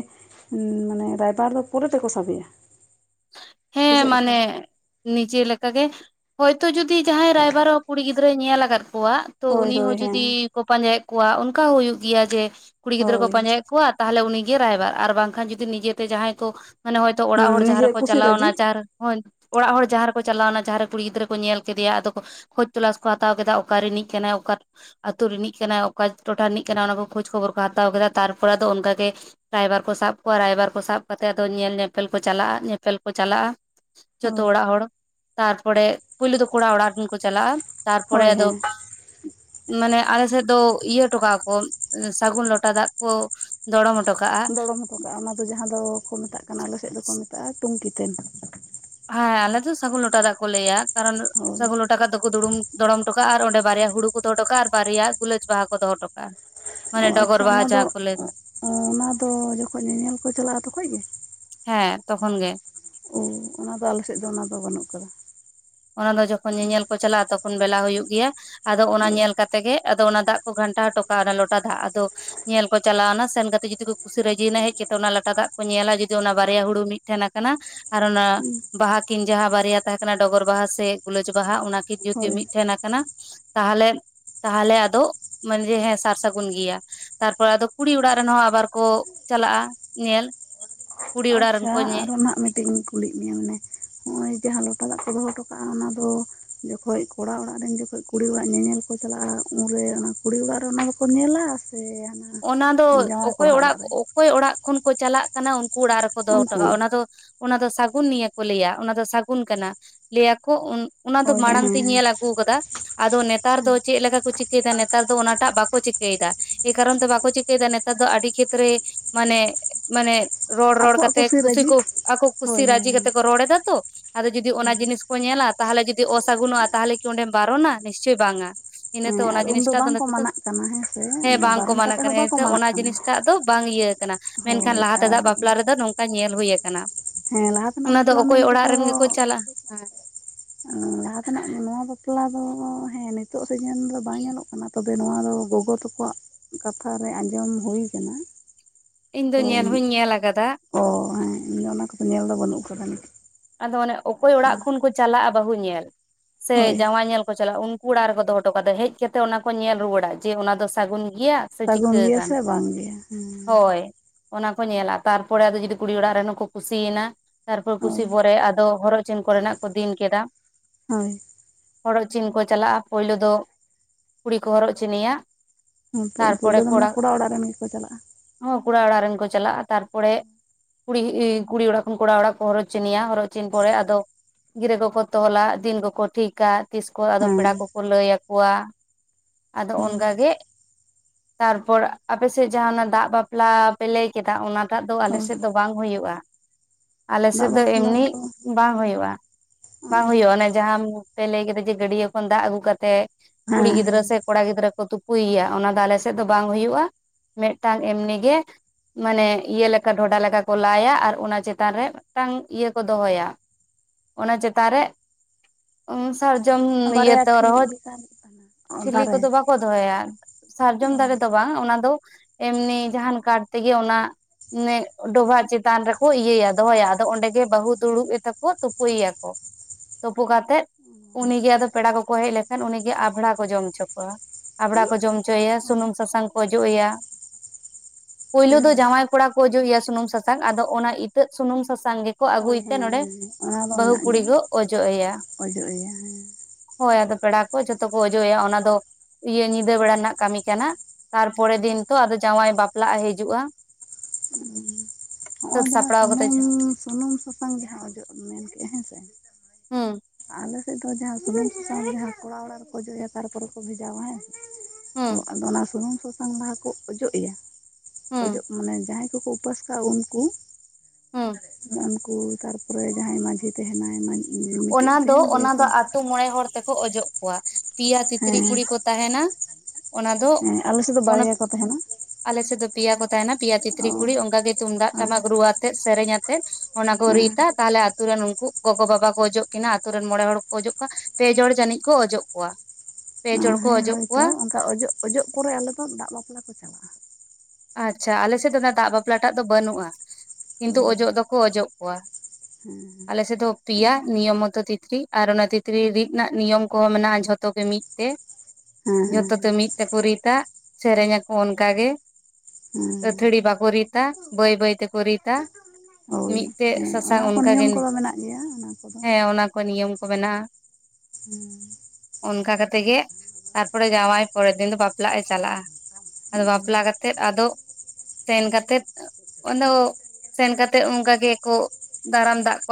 ᱩᱸ ᱢᱟᱱᱮ ᱨᱟᱭᱵᱟᱨ ᱫᱚ ᱯᱚᱨᱮ ᱛᱮᱠᱚ ᱥᱟᱵᱮᱭᱟ ᱾ ᱦᱮᱸ ᱢᱟᱱᱮ ᱱᱤᱡᱮ ᱞᱮᱠᱟᱜ ᱜᱮ ᱦᱚᱭᱛᱚ ᱡᱩᱫᱤ ᱡᱟᱦᱟᱸᱭ ᱨᱟᱭᱵᱟᱨ ᱦᱚᱸ ᱠᱩᱲᱤ ᱜᱤᱫᱽᱨᱟᱹᱭ ᱧᱮᱞ ᱟᱠᱟᱫ ᱠᱚᱣᱟ ᱛᱚ ᱦᱳᱭ ᱩᱱᱤ ᱦᱚᱸ ᱦᱳᱭ ᱡᱩᱫᱤ ᱦᱮᱸ ᱠᱚ ᱯᱟᱸᱡᱟᱭᱮᱫ ᱠᱚᱣᱟ ᱚᱱᱠᱟ ᱦᱚᱸ ᱦᱩᱭᱩᱜ ᱜᱮᱭᱟ ᱡᱮ ᱠᱩᱲᱤ ᱜᱤᱫᱽᱨᱟᱹ ᱠᱚ ᱦᱳᱭ ᱯᱟᱸᱡᱟᱭᱮᱫ ᱠᱚᱣᱟ ᱛᱟᱦᱚᱞᱮ ᱩᱱᱤᱜᱮ ᱨᱟᱭᱵᱟᱨ ᱟᱨ ᱵᱟᱝᱠᱷᱟᱱ ᱡᱩᱫᱤ ᱱᱤᱡᱮ ᱛᱮ ᱡᱟᱦᱟᱸᱭ ᱠᱚ ᱢᱟᱱᱮ ᱦᱚᱭᱛᱳ ᱚᱲᱟᱜ ᱦᱩᱸ ᱦᱚᱲ ᱡᱟᱦᱟᱸ ᱨᱮ ᱱᱤᱡᱮᱨ ᱠᱩᱥᱤ ᱨᱟᱹᱡᱤ ᱪᱟᱞᱟᱣᱱᱟ ᱡᱟᱦᱟᱸ ᱚᱲᱟᱜ ᱦᱚᱲ ᱡᱟᱦᱟᱸ ᱨᱮᱠᱚ ᱪᱟᱞᱟᱣᱱᱟ ᱡᱟᱦᱟᱸ ᱨᱮ ᱠᱩᱲᱤ ᱜᱤᱫᱽᱨᱟᱹ ᱠᱚ ᱧᱮᱞ ᱠᱮᱫᱮᱭᱟ ᱟᱫᱚ ᱠᱚ ᱠᱷᱳᱡᱽ ᱛᱚᱞᱟᱥ ᱠᱚ ᱦᱟᱛᱟᱣ ᱠᱮᱫᱟ ᱚᱠᱟ ᱨᱤᱱᱤᱡ ᱠᱟᱱᱟᱭ ᱚᱠᱟ ᱟ ᱟᱹᱛᱩᱳ ᱨᱤᱱᱤᱡ ᱠᱟᱱᱟᱭ ᱚᱠᱟ ᱴᱚᱴᱷᱟ ᱨᱤᱱᱤᱡ ᱠᱟᱱᱟ ᱚᱱᱟ ᱠᱚ ᱠᱷᱳᱡᱽ ᱠᱷᱚᱵᱚᱨ ᱠᱚ ᱦᱟᱛᱟᱣ ᱠᱮᱫᱟ ᱛᱟᱨᱯᱚᱨ ᱟᱫᱚ ᱚᱱᱠᱟ ᱜᱮ ᱨᱟᱭᱵᱟᱨ ᱠᱚ ᱥᱟᱵ ᱠᱚᱣᱟ ᱨᱟᱭᱵᱟᱨ ᱠᱚ ᱥᱟᱵ ᱠᱟᱛᱮᱜ ᱟᱫᱚ ᱧᱮᱞ ᱧᱮᱯᱮᱞ ᱠᱚ ᱪᱟᱞᱟᱜᱼᱟ ᱾ ᱧᱯᱮᱞ ᱠᱚ ᱪᱟᱞᱟᱜᱼᱟ ᱡᱚᱛᱚ ᱦᱳᱭ ᱚᱲᱟᱜ ᱦᱚᱲ, ᱛᱟᱨᱯᱚᱨᱮ ᱯᱩᱭᱞᱩ ᱫᱚ ᱠᱚᱲᱟ ᱚᱲᱟᱜ ᱨᱮᱱ ᱠᱚ ᱪᱟᱞᱟᱜᱼᱟ ᱾ ᱛᱟᱨᱯᱚᱨᱮ ᱦᱳᱭ ᱟᱫᱚ ᱦᱮᱸ ᱢᱟᱱᱮ ᱟᱞᱮ ᱥᱮᱫ ᱫᱚ ᱤᱭᱟᱹ ᱦᱚᱴᱚ ᱠᱟᱜᱼᱟ ᱠᱚ ᱥᱟᱹᱜᱩᱱ ᱞᱚᱴᱟ ᱫᱟᱜ ᱠᱚ ᱫᱚᱲᱚᱢ ᱦᱚᱴᱚ ᱠᱟᱜᱼᱟ ᱾ ᱦᱚᱴ ᱠᱟᱜᱼᱟ ᱚᱱᱟ ᱫᱚ ᱡᱟᱦᱟᱸ ᱫᱚ ᱠᱚ ᱢᱮᱛᱟᱜ ᱠᱟᱱᱟ ᱟᱞᱮ ᱥᱮᱫ ᱫᱚᱠᱚ ᱢᱮᱛᱟᱜᱼᱟ ᱴᱩᱝᱠᱤ ᱛᱮᱱ ᱾ ᱦᱮᱸ ᱟᱞᱮ ᱫᱚ ᱥᱟᱹᱜᱩᱱ ᱞᱚᱴᱟ ᱫᱟᱜ ᱠᱚ ᱞᱟᱹᱭᱟ ᱠᱟᱨᱚᱱ ᱦᱳᱭ ᱥᱟᱹᱜᱩᱱ ᱞᱚᱴᱟ ᱴᱟᱠᱟ ᱫᱚᱠᱚ ᱫᱩᱲᱩᱢ ᱫᱚᱲᱚᱢ ᱦᱚᱴ ᱠᱟᱜᱼᱟ ᱟᱨ ᱚᱰᱮ ᱵᱟᱨᱭᱟ ᱦᱩᱲᱩ ᱠᱚ ᱫᱚᱦᱚ ᱦᱚᱴᱚ ᱠᱟᱜ ᱟᱨ ᱵᱟᱨᱭᱟ ᱜᱩᱞᱟᱹᱡ ᱵᱟᱦᱟ ᱠᱚ ᱫᱚᱦᱚ ᱦᱟᱴᱚ ᱠᱟᱜᱼᱟ ᱾ ᱢᱟᱱᱮ ᱰᱚᱜᱚᱨ ᱟᱪᱪᱷᱟ ᱵᱟᱦᱟ ᱚᱱᱟ ᱫᱚ ᱡᱟᱦᱟᱸ ᱠᱚ ᱞᱟᱹᱭ ᱾ ᱚ ᱚᱱᱟ ᱫᱚ ᱡᱚᱠᱷᱚᱡ ᱧᱮ-ᱧᱮᱞ ᱠᱚ ᱪᱟᱞᱟᱜᱼᱟ ᱛᱚᱠᱷᱚᱡ ᱜᱮ? ᱦᱮᱸ ᱛᱚᱠᱷᱚᱱ ᱜᱮ ᱾ ᱚ, ᱚᱱᱟ ᱫᱚ ᱟᱞᱮ ᱥᱮᱫ ᱫᱚ ᱚᱱᱟ ᱫᱚ ᱵᱟᱹᱱᱩᱜ ᱟᱠᱟᱫᱟ ᱾ ᱚᱱᱟ ᱫᱚ ᱡᱚᱠᱷᱚᱱ ᱧᱮ-ᱧᱮᱞ ᱠᱚ ᱪᱟᱞᱟᱜᱼᱟ ᱛᱚᱠᱷᱚᱱ ᱵᱮᱞᱟ ᱦᱩᱭᱩᱜᱳ ᱜᱮᱭᱟ ᱾ ᱟᱫᱚ ᱚᱱᱟ ᱦᱳᱭ ᱧᱮᱞ ᱠᱟᱛᱮ ᱜᱮ ᱟᱫᱚ ᱚᱱᱟ ᱫᱟᱜ ᱠᱚ ᱜᱷᱟᱱᱴᱟ ᱦᱚᱴᱚ ᱠᱟᱜᱼᱟ ᱚᱱᱟ ᱞᱚᱴᱟ ᱫᱟᱜ ᱟᱫᱚ ᱧᱮᱞ ᱠᱚ ᱪᱟᱞᱟᱣᱱᱟ ᱥᱮᱱ ᱠᱟᱛᱮ ᱡᱩᱫᱤ ᱠᱚ ᱠᱩᱥᱤ ᱨᱟᱹᱡᱤᱭᱮᱱᱟ ᱦᱮᱡ ᱠᱟᱛᱮᱫ ᱚᱱᱟ ᱞᱟᱴᱟ ᱫᱟᱜ ᱠᱚ ᱧᱮᱞᱟ ᱡᱩᱫᱤ ᱚᱱᱟ ᱵᱟᱨᱭᱟ ᱦᱩᱲᱩ ᱢᱤᱫᱴᱷᱮᱱ ᱟᱠᱟᱱᱟ ᱟᱨ ᱚᱱᱟ ᱦᱳᱭ ᱵᱟᱦᱟ ᱠᱤᱱ ᱡᱟᱦᱟᱸ ᱵᱟᱨᱭᱟ ᱛᱟᱦᱮᱸ ᱠᱟᱱᱟ ᱰᱚᱜᱚᱨ ᱵᱟᱦᱟ ᱥᱮ ᱜᱩᱞᱟᱹᱡᱽ ᱵᱟᱦᱟ ᱚᱱᱟᱠᱤᱱ ᱡᱩᱫᱤ ᱦᱳᱭ ᱢᱤᱫᱴᱷᱮᱱ ᱟᱠᱟᱱᱟ ᱛᱟᱦᱚᱞᱮ ᱛᱟᱦᱚᱞᱮ ᱟᱫᱚ ᱢᱟᱱᱮ ᱡᱮ ᱦᱮᱸ ᱥᱟᱨ ᱥᱟᱹᱜᱩᱱ ᱜᱮᱭᱟ ᱾ ᱛᱟᱨᱯᱚᱨᱮ ᱟᱫᱚ ᱠᱩᱲᱤ ᱚᱲᱟᱜ ᱨᱮᱱ ᱦᱚᱸ ᱟᱵᱟᱨ ᱠᱚ ᱪᱟᱞᱟᱜᱼᱟ ᱧᱮᱞ ᱾ ᱟᱪᱪᱷᱟ ᱟᱨᱚ ᱱᱟᱜ ᱢᱤᱴᱤᱡ ᱤᱧ ᱠᱩᱞᱤᱭᱮᱫ ᱢᱮᱭᱟ ᱢᱟᱱᱮ ᱱᱚᱜ-ᱚᱭ ᱡᱟᱦᱟᱸ ᱞᱚᱴᱟ ᱫᱟᱜ ᱠᱚ ᱫᱚᱦᱚ ᱦᱚᱴᱚ ᱠᱟᱜᱼᱟ ᱚᱱᱟ ᱫᱚ ᱡᱚᱠᱷᱚᱱ ᱠᱚᱲᱟ ᱚᱲᱟᱜ ᱨᱮᱱ ᱡᱚᱠᱷᱚᱱ ᱠᱩᱲᱤ ᱚᱲᱟᱜ ᱧᱮᱧᱮᱞ ᱠᱚ ᱪᱟᱞᱟᱜᱼᱟ ᱩᱱᱨᱮ ᱚᱱᱟ ᱠᱩᱲᱤ ᱚᱲᱟᱜ ᱨᱮ ᱚᱱᱟ ᱫᱚᱠᱚ ᱧᱮᱞᱟ᱾ ᱥᱮᱛᱟ ᱟᱜ, ᱚᱱᱟ ᱫᱚ ᱚᱠᱚᱭ ᱚᱲᱟᱜ ᱚᱠᱚᱭ ᱚᱲᱟᱜ ᱠᱷᱚᱱ ᱠᱚ ᱪᱟᱞᱟᱜ, ᱠᱟᱱᱟ ᱩᱱᱠᱩ ᱚᱲᱟᱜ ᱨᱮᱠᱚ ᱫᱚᱦᱚ ᱦᱚᱴᱚ ᱩᱱᱠᱩ ᱠᱟᱜᱼᱟ ᱚᱱᱟ ᱫᱚ, ᱚᱱᱟ ᱫᱚ ᱥᱟᱹᱜᱩᱱ ᱱᱤᱭᱟᱹ ᱠᱚ ᱞᱟᱹᱭᱟ ᱚᱱᱟ ᱫᱚ ᱥᱟᱹᱜᱩᱱ ᱠᱟᱱᱟ ᱞᱟᱹᱭ ᱟᱠᱚ ᱩᱱ, ᱚᱱᱟ ᱫᱚ ᱦᱳᱭ ᱦᱮᱸ ᱢᱟᱲᱟᱝ ᱦᱮᱸ ᱛᱮᱧ ᱦᱮᱸ ᱧᱮᱞ ᱟᱹᱜᱩ ᱠᱟᱫᱟ ᱟᱫᱚ ᱱᱮᱛᱟᱨ ᱫᱚ ᱪᱮᱫ ᱞᱮᱠᱟ ᱠᱚ ᱪᱤ ᱪᱤᱠᱟᱹᱭᱟ ᱱᱮᱛᱟᱨ ᱫᱚ ᱚᱱᱟᱴᱟᱜ ᱵᱟᱠᱚ ᱪᱤᱠᱟᱹᱭᱮᱫᱟ᱾ ᱠᱟᱨᱚᱱ ᱛᱮ ᱵᱟᱠᱚ ᱪᱤᱠᱟᱹᱭᱮᱫᱟ ᱱᱮᱛᱟᱨ ᱫᱚ ᱟᱹᱰᱤ ᱠᱷᱮᱛᱨᱮ ᱢᱟᱱᱮ ᱢᱟᱱᱮ, ᱨᱚᱲ ᱨᱚᱲ ᱟᱠᱚᱣᱟᱜ ᱠᱟᱛᱮᱜ ᱠᱩᱥᱤ ᱨᱟᱹᱡᱤ ᱠᱚ ᱟᱠᱚ ᱦᱳᱭ ᱠᱩᱥᱤ ᱦᱳᱭ ᱨᱟᱹᱡᱤ ᱦᱮᱸ ᱠᱟᱛᱮᱜ ᱠᱚ ᱨᱚᱲ ᱮᱫᱟ ᱛᱚ ᱟᱫᱚ ᱡᱩᱫᱤ ᱚᱱᱟ ᱦᱮᱸ ᱡᱤᱱᱤᱥ ᱠᱚ ᱧᱮᱞᱟ ᱛᱟᱦᱚᱞᱮ ᱡᱩᱫᱤ ᱚ ᱥᱟᱹᱜᱩᱱᱚᱜᱼᱟ ᱛᱟᱦᱚᱞᱮ ᱠᱤ ᱚᱸᱰᱮᱢ ᱵᱟᱨᱚᱱᱟ ᱱᱤᱥᱪᱚᱭ ᱵᱟᱝᱟ᱾ ᱤᱱᱟᱹ ᱦᱮᱸ ᱛᱮ ᱚᱱᱟ ᱟᱨ ᱡᱤᱱᱤᱥ ᱩᱱᱫᱚ ᱴᱟᱜ ᱫᱚ ᱵᱟᱝᱠᱚ ᱱᱤᱛᱚᱜ ᱫᱚ ᱢᱟᱱᱟᱜ ᱠᱟᱱᱟ ᱦᱮᱸᱥᱮ ᱦᱮᱸ ᱩᱱᱫᱚ ᱵᱟᱝ ᱠᱚ ᱵᱟᱨᱚᱱ ᱢᱟᱱᱟᱜ ᱠᱟᱛᱮᱫ ᱠᱟᱱᱟ ᱦᱚᱸ ᱵᱟᱠᱚ ᱮᱭᱛᱚ ᱢᱟᱱᱟᱜ ᱚᱱᱟ ᱠᱟᱱᱟ ᱡᱤᱱᱤᱥ ᱴᱟᱜ ᱛᱚ ᱵᱟᱝ ᱤᱭᱟᱹ ᱠᱟᱱᱟ᱾ ᱢᱮᱱᱠᱷᱟᱱ ᱦᱳᱭ ᱞᱟᱦᱟ ᱟᱨ ᱛᱮᱫᱟᱜ ᱵᱟᱯᱞᱟ ᱨᱮᱫᱚ ᱱᱚᱝᱠᱟ ᱧᱮᱞ ᱦᱩᱭ ᱟᱠᱟᱱᱟ᱾ ᱦᱮᱸ ᱞᱟᱦᱟ ᱛᱮᱱᱟᱜ ᱚᱱᱟ ᱫᱚ ᱵᱟᱯᱞᱟ ᱚᱠᱚᱭ ᱚᱲᱟᱜ ᱨᱮᱱ ᱜᱮᱠᱚ ᱪᱟᱞᱟᱜ, ᱚᱸᱻ ᱞᱟᱦᱟ ᱛᱮᱱᱟᱜ ᱱᱚᱣᱟ ᱵᱟᱯᱞᱟ ᱫᱚ ᱦᱮᱸ ᱱᱤᱛᱚᱜ ᱥᱤᱡᱟᱹᱱ ᱫᱚ ᱵᱟᱝ ᱧᱮᱞᱚᱜ ᱠᱟᱱᱟ ᱛᱚᱵᱽ ᱵᱮ ᱱᱚᱣᱟ ᱫᱚ ᱜᱚᱜᱚ ᱛᱟᱠᱚᱣᱟᱜ ᱠᱟᱛᱷᱟ ᱨᱮ ᱟᱸᱡᱚᱢ ᱦᱩᱭ ᱠᱟᱱᱟ᱾ ᱤᱧ ᱫᱚ ᱛᱚ ᱧᱮᱞ ᱦᱩᱧ ᱧᱮᱞ ᱠᱟᱫᱟ᱾ ᱚ ᱦᱮᱸ ᱤᱧ ᱫᱚ ᱚᱱᱟ ᱠᱚᱫᱚ ᱧᱮᱞ ᱫᱚ ᱵᱟᱹᱱᱩᱜ ᱠᱟᱫᱟ᱾ ᱟᱫᱚ ᱚᱱᱮ ᱚᱠᱚᱭ ᱟᱪᱪᱷᱟ ᱚᱲᱟᱜ ᱠᱷᱚᱱ ᱠᱚ ᱪᱟᱞᱟᱜᱼᱟ ᱵᱟᱹᱦᱩ ᱧᱮᱞ ᱥᱮ ᱦᱳᱭ ᱡᱟᱶᱟᱭ ᱧᱮᱞ ᱠᱚ ᱪᱟᱞᱟᱜᱼᱟ ᱩᱱ ᱠᱩ ᱚᱲᱟᱜ ᱨᱮᱠᱚ ᱫᱚᱦᱚ ᱦᱚᱴᱚ ᱠᱟᱫᱟ ᱦᱮᱡ ᱠᱟᱛᱮᱜ ᱚᱱᱟ ᱠᱚ ᱧᱮᱞ ᱨᱩᱣᱟᱹᱲᱟ ᱡᱮ ᱚᱱᱟ ᱫᱚ ᱥᱟᱹᱜᱩᱱ ᱜᱮᱭᱟ᱾ ᱥᱮ ᱥᱟᱹᱜᱩᱱ ᱪᱤᱠᱟᱹ ᱜᱮᱭᱟ ᱠᱟᱱᱟ ᱥᱮ ᱵᱟᱝ ᱜᱮᱭᱟ ᱦᱮᱸ ᱦᱚᱭ᱾ ᱚᱱᱟ ᱠᱚ ᱧᱮᱞᱟ ᱛᱟᱨᱯᱚᱨᱮ ᱟᱫᱚ ᱡᱫᱤ ᱠᱩᱲᱤ ᱚᱲᱟᱜ ᱨᱮᱱ ᱦᱚᱠᱚ ᱠᱩᱥᱤᱭᱮᱱᱟ ᱛᱟᱨᱯᱚᱨᱮ ᱠᱩᱥ ᱦᱳᱭ ᱯᱚᱨᱮ ᱟᱫᱚ ᱦᱚᱨᱚᱜ ᱪᱤᱱ ᱠᱚᱨᱮᱱᱟᱜ ᱠᱚ ᱫᱤᱱ ᱠᱮᱫᱟ᱾ ᱦᱳᱭ᱾ ᱦᱚᱨᱚᱜ ᱪᱤᱱ ᱠᱚ ᱪᱟᱞᱟᱜᱼᱟ ᱯᱩᱭᱞᱩ ᱫᱚ ᱠᱩᱲᱤ ᱠᱚ ᱦᱚᱨᱚᱜ ᱪᱤᱱᱮᱭᱟ᱾ ᱦᱤᱛᱚᱜ ᱫᱚ ᱯᱳᱭᱞᱳ ᱫᱚ ᱢᱟᱱᱮ ᱠᱚᱲᱟ ᱚᱲᱟᱜ ᱨᱮᱱ ᱜᱮᱠᱚ ᱪᱟᱞᱟᱜᱼᱟ᱾ ᱦᱚᱸ ᱠᱚᱲᱟ ᱚᱲᱟᱜ ᱨᱮᱱ ᱠᱚ ᱪᱟᱞᱟᱜᱼᱟ ᱛᱟᱨᱯᱚᱲᱮ ᱠᱩᱲᱤ ᱤ ᱠᱩᱲᱤ ᱚᱲᱟᱜ ᱠᱷᱚᱱ ᱠᱚᱲᱟ ᱚᱲᱟᱜ ᱠᱚ ᱦᱚᱨᱚᱪ ᱪᱤᱱᱮᱭᱟ ᱦᱚᱨᱚᱜ ᱪᱤᱱ ᱯᱚᱨᱮ ᱟᱫᱚ ᱜᱤᱨᱟᱹ ᱠᱚᱠᱚ ᱛᱚᱞᱟ ᱫᱤᱱ ᱠᱚᱠᱚ ᱴᱷᱤᱠᱟ ᱛᱤᱥ ᱠᱚ ᱟᱫᱚ ᱦᱮᱸ ᱯᱮᱲᱟ ᱠᱚᱠᱚ ᱞᱟᱹᱭ ᱟᱠᱚᱣᱟ᱾ ᱟᱫᱚ ᱦᱮᱸ ᱚᱱᱠᱟᱜᱮ, ᱛᱟᱨᱯᱚᱨ ᱟᱯᱮ ᱥᱮᱜ ᱡᱟᱦᱟᱸ ᱚᱱᱟ ᱫᱟᱜ ᱵᱟᱯᱞᱟ ᱯᱮ ᱞᱟᱹᱭ ᱠᱮᱫᱟ ᱚᱱᱟ ᱴᱟᱜ ᱫᱚ ᱟᱞᱮ ᱦᱳᱭ ᱥᱮᱜ ᱫᱚ ᱵᱟᱝ ᱦᱩᱭᱩᱜᱼᱟ᱾ ᱟᱞᱮ ᱥᱮᱜ ᱫᱟᱜ ᱫᱚ ᱵᱟᱯᱞᱟ ᱮᱢᱱᱤ ᱫᱚ ᱵᱟᱝ ᱦᱩᱭᱩᱜᱼᱟ ᱵᱟᱝ ᱦᱩᱭᱩᱜᱼᱟ ᱚᱱᱮ ᱡᱟᱦᱟᱸᱢ ᱯᱮ ᱞᱟᱹᱭ ᱠᱮᱫᱟ ᱡᱮ ᱜᱟᱹᱰᱭᱟᱹ ᱠᱷᱚᱱ ᱫᱟᱜ ᱟᱹᱜᱩ ᱠᱟᱛᱮᱜ, ᱠᱩᱲᱤ ᱦᱮᱸ ᱜᱤᱫᱽᱨᱟᱹ ᱥᱮ ᱠᱚᱲᱟ ᱜᱤᱫᱽᱨᱟᱹ ᱠᱚ ᱛᱩᱯᱩᱭ ᱭᱟ ᱚᱱᱟ ᱫᱚ ᱟᱞᱮ ᱥᱮᱜ ᱫᱚ ᱵᱟᱝ ᱦᱩᱭᱩᱜᱼᱟ᱾ ᱢᱤᱜᱴᱟᱝ ᱮᱢᱱᱤ ᱜᱮ ᱢᱟᱱᱮ ᱤᱭᱟᱹ ᱞᱮᱠᱟ ᱰᱷᱚᱰᱟ ᱞᱮᱠᱟ ᱠᱚ ᱞᱟᱭᱟ ᱟᱨ ᱚᱱᱟ ᱪᱮᱛᱟᱱ ᱨᱮ, ᱟᱝ ᱤᱭᱟᱹ ᱠᱚ ᱫᱚᱦᱚᱭᱟ ᱚᱱᱟ ᱪᱮᱛᱟᱱ ᱨᱮ, ᱩᱸᱻ ᱥᱟᱨᱡᱚᱢ ᱦᱮᱸ ᱤᱭᱟᱹ ᱵᱟᱨᱭᱟ ᱴᱷᱤᱞ ᱛᱚᱨᱚᱡ ᱞᱮᱠᱟ ᱪᱷᱤᱞᱤ ᱫᱟᱨᱮ ᱠᱚᱫᱚ ᱵᱟᱠᱚ ᱫᱚᱦᱚᱭᱟ ᱚ ᱥᱟᱨᱡᱚᱢ ᱫᱟᱨᱮ ᱫᱚ ᱵᱟᱝ ᱚᱱᱟ ᱫᱚ, ᱮᱢᱱᱤ ᱡᱟᱦᱟᱸᱱ ᱠᱟᱰ ᱛᱮᱜᱮ ᱚᱱᱟ ᱱᱮᱜ ᱰᱚᱵᱷᱟᱜ ᱪᱮᱛᱟᱱ ᱨᱮᱠᱚ ᱤᱭᱟᱹᱭᱟ ᱫᱚᱦᱚᱭᱟ᱾ ᱛᱚ ᱚᱸᱰᱮ ᱜᱮ ᱵᱟᱹᱦᱩ ᱫᱩᱲᱩᱵ ᱮ ᱛᱟᱠᱚ ᱛᱳᱯᱳᱭ ᱟᱠᱚ ᱛᱳᱯᱳ ᱠᱟᱛᱮᱜ ᱩᱱᱤ ᱜᱮ ᱟᱫᱚ ᱯᱮᱲᱟ ᱠᱚᱠᱚ ᱦᱮᱡ ᱞᱮᱠᱷᱟᱱ ᱩᱱᱤ ᱜᱮ ᱟᱵᱷᱲᱟ ᱠᱚ ᱡᱚᱢ ᱚᱪᱚ ᱠᱚᱣᱟ᱾ ᱟᱵᱷᱲᱟ ᱠᱚ ᱡᱚᱢ ᱦᱚᱪᱭᱟ ᱥᱩᱱᱩᱢ ᱥᱟᱥᱟᱝ ᱠᱚ ᱚᱡᱚᱜ ᱟᱭᱟ᱾ ᱯᱩᱭᱞᱩ ᱦᱮᱸ ᱫᱚ ᱡᱟᱶᱟᱭ ᱠᱚᱲᱟ ᱠᱚ ᱚᱡᱩᱜ ᱮᱭᱟ ᱥᱩᱱᱩᱢ ᱥᱟᱥᱟᱝ ᱟᱫᱚ ᱚᱱᱟ ᱤᱛᱟᱹᱫ ᱥᱩᱱᱩᱢ ᱥᱟᱥᱟᱝ ᱜᱮ ᱠᱚ ᱦᱳᱭ ᱟᱜᱩᱭ ᱛᱮ ᱦᱮᱸ ᱱᱚᱸᱰᱮ ᱦᱮᱸ ᱚᱱᱟ ᱫᱚ ᱵᱟᱹᱦᱩ ᱢᱮᱱᱟᱜ ᱠᱩᱲᱤ ᱜᱮᱭᱟ ᱠᱚ ᱚᱡᱚᱜ ᱮᱭᱟ ᱚᱡᱚᱜ ᱟᱭᱟ ᱦᱮᱸ ᱾ ᱦᱳᱭ ᱟᱫᱚ ᱯᱮᱲᱟ ᱠᱚ ᱡᱚᱛᱚ ᱠᱚ ᱚᱡᱚᱜ ᱮᱭᱟ ᱚᱱᱟ ᱫᱚ ᱤᱭᱟᱹ ᱧᱤᱫᱟᱹ ᱵᱮᱲᱟ ᱨᱮᱱᱟᱜ ᱠᱟᱢᱤ ᱠᱟᱱᱟ, ᱛᱟᱨᱯᱚᱲᱮ ᱫᱤᱱ ᱛᱚ ᱟᱫᱚ ᱡᱟᱶᱟᱭ ᱵᱟᱯᱞᱟᱜ ᱮ ᱦᱤᱡᱩᱜ-ᱟ ᱾ [inaudible] ᱦᱚᱸᱜᱼᱚᱭ ᱡᱟᱦᱟᱸ ᱥᱟᱯᱲᱟᱣ ᱥᱩᱱᱩᱢ ᱠᱟᱛᱮ ᱥᱩᱱᱩᱢ ᱥᱟᱥᱟᱝ ᱡᱟᱦᱟᱸ ᱚᱡᱚᱜ ᱮᱢ‌ ᱢᱮᱱ ᱠᱮᱜ-ᱟ ᱦᱮᱸ ᱥᱮᱼᱼ ᱦᱩᱸ ᱾ ᱟᱞᱮ ᱥᱮᱜ ᱫᱚ ᱡᱟᱦᱟᱸ ᱥᱩᱱᱩᱢ ᱥᱟᱥᱟᱝ ᱡᱟᱦᱟᱸ ᱠᱚᱲᱟ ᱚᱲᱟᱜ ᱨᱮᱠᱚ ᱚᱡᱚᱜ ᱮᱭᱟ ᱛᱟᱨᱯᱚᱨᱮ ᱠᱚ ᱵᱷᱮᱡᱟᱣᱟ ᱦᱮᱸ᱾ ᱛᱚ ᱦᱩᱸ ᱟᱫᱚ ᱚᱱᱟ ᱥᱩᱱᱩᱢ ᱥᱟᱥᱟᱝ ᱞᱟᱦᱟ ᱠᱚ ᱚᱡᱚᱜ ᱮᱭᱟ ᱾ ᱦᱩᱸ ᱚᱡᱚᱜ ᱢᱟᱱᱮ ᱡᱟᱦᱟᱸᱭ ᱠᱚᱠᱚ ᱩᱯᱟᱹᱥ ᱠᱟᱜ-ᱟ ᱩᱱᱠᱩ ᱦᱩᱸ ᱾ ᱢᱟᱱᱮ ᱩᱱᱠᱩ ᱛᱟᱨᱯᱚᱨᱮ ᱡᱟᱦᱟᱸᱭ ᱢᱟᱡᱷᱤ ᱛᱮᱦᱮᱱᱟᱭ, ᱢᱟᱸᱡᱽ ᱢᱤᱫᱴᱤᱡ ᱛᱮᱦᱮᱱ ᱜᱮᱭᱟᱭ ᱛᱚ ᱾ ᱟᱛᱩ ᱢᱚᱬᱮ ᱦᱚᱲ ᱛᱮᱠᱚ ᱚᱡᱚᱜ ᱠᱚᱣᱟ ᱯᱮᱭᱟ ᱛᱤᱛᱨᱤ ᱦᱮᱸ ᱠᱩᱲᱤ ᱠᱚ ᱛᱟᱦᱮᱱᱟ ᱚᱱᱟ ᱫᱚ ᱦᱮᱸ ᱟᱞᱮ ᱥᱮᱫ ᱫᱚ ᱚᱱᱟᱯ ᱵᱟᱨᱭᱟ ᱠᱚ ᱛᱟᱦᱮᱱᱟ ᱟᱞᱮ ᱥᱮᱜ ᱫᱚ ᱯᱮᱭᱟ ᱠᱚ ᱛᱟᱦᱮᱱᱟ ᱯᱮᱭᱟ ᱚ ᱛᱤᱛᱨᱤ ᱠᱩᱲᱤ ᱚᱱᱠᱟ ᱜᱮ ᱛᱩᱢᱫᱟᱜ ᱦᱮᱸ ᱴᱟᱢᱟᱠ ᱨᱩ ᱟᱛᱮᱜ ᱥᱮᱨᱮᱧ ᱟᱛᱮᱜ ᱚᱱᱟ ᱠᱚ ᱨᱤᱫᱟ ᱦᱮᱸ ᱛᱟᱦᱚᱞᱮ ᱩᱱᱩᱠᱩ ᱜᱚᱜᱚ ᱵᱟᱵᱟ ᱚᱡᱚᱜ ᱠᱤᱱᱟᱹ ᱟᱛᱩᱨ ᱨᱮᱱ ᱢᱚᱬᱮ ᱦᱚᱲ ᱠᱚ ᱚᱡᱚᱜ ᱠᱚᱣᱟ ᱯᱮ ᱦᱚᱲ ᱡᱟᱹᱱᱤᱡ ᱠᱚ ᱚᱡᱚᱜ ᱠᱚᱣᱟ ᱾ ᱦᱮᱸ ᱦᱳᱭᱛᱚ ᱚᱱᱠᱟ ᱚᱡᱚᱜ ᱚᱡᱚᱜ ᱠᱚᱨᱮ ᱟᱞᱮᱚ ᱫᱟᱜ ᱵᱟᱯᱞᱟ ᱠᱚ ᱪᱟᱞᱟᱜᱼᱟ ᱾ ᱟᱪᱪᱷᱟ ᱟᱞᱮ ᱥᱮᱫ ᱫᱚ ᱫᱟᱜ ᱵᱟᱯᱞᱟ ᱴᱟᱜ ᱫᱚ ᱵᱟᱹᱱᱩᱜᱼᱟ ᱾ ᱠᱤᱱᱛᱩ ᱦᱳᱭ ᱚᱡᱚᱜ ᱦᱳᱭ ᱫᱚᱠᱚ ᱚᱡᱚᱜ ᱠᱚᱣᱟ ᱦᱮᱸ ᱟᱞᱮ ᱥᱮᱫ ᱫᱚ ᱦᱮᱸ ᱯᱮᱭᱟ ᱱᱤᱭᱚᱢᱚᱛᱚ ᱛᱤᱛᱨᱤ ᱟᱨ ᱚᱱᱟ ᱛᱤᱛᱨᱤ ᱨᱤᱫ ᱨᱮᱱᱟᱜ ᱱᱤᱭᱚᱢ ᱠᱚᱦᱚᱸ ᱢᱮᱱᱟᱜᱼᱟ ᱡᱷᱚᱛᱚ ᱜᱮ ᱢᱤᱫ ᱛᱮ, ᱦᱮᱸ ᱦᱮᱸ ᱡᱷᱚᱛᱚ ᱛᱮ ᱢᱤᱫ ᱦᱮᱸ ᱛᱮᱠᱚ ᱨᱤᱫᱟᱜ ᱥᱮᱨᱮᱧ ᱟᱠᱚ ᱚᱱᱠᱟ ᱜᱮ ᱾ ᱦᱮᱸ ᱟᱹᱛᱷᱟᱹᱲᱤ ᱵᱟᱠᱚ ᱨᱤᱛᱟ ᱵᱟᱹᱭ ᱵᱟᱹᱭ ᱛᱮᱠᱚ ᱨᱤᱛᱟ ᱾ ᱦᱳᱭ ᱢᱤᱫᱴᱮᱫ ᱦᱮᱸ ᱚᱱᱟ ᱥᱟᱥᱟᱝ ᱠᱚ ᱚᱱᱠᱟ ᱱᱤᱭᱚᱢ ᱜᱮ, ᱠᱚᱫᱚ ᱢᱮᱱᱟᱜ ᱜᱮᱭᱟ ᱚᱱᱟ ᱠᱚᱫᱚ ᱦᱮᱸ ᱚᱱᱟ ᱠᱚ ᱱᱤᱭᱚᱢ ᱠᱚ ᱢᱮᱱᱟᱜᱼᱟ ᱾ ᱦᱩᱸ ᱾ ᱚᱱᱠᱟ ᱠᱟᱛᱮᱜ ᱜᱮ ᱛᱟᱨᱯᱚᱨᱮ ᱡᱟᱶᱟᱭ ᱯᱚᱨᱮᱨ ᱫᱤᱱ ᱫᱚ ᱵᱟᱯᱞᱟᱜ ᱮ ᱪᱟᱞᱟᱜᱼᱟ ᱾ ᱟᱫᱚ ᱦᱮᱸ ᱵᱟᱯᱞᱟ ᱠᱟᱛᱮᱮᱫ ᱟᱫᱚ ᱥᱮᱱ ᱠᱟᱛᱮᱜ ᱩᱱ ᱫᱚ ᱥᱮᱱ ᱠᱟᱛᱮᱜ ᱚᱱᱠᱟ ᱜᱮᱠᱚ ᱫᱟᱨᱟᱢ ᱫᱟᱜ ᱠᱚᱣᱟ ᱾